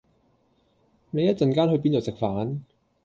你一陣間去邊度食飯？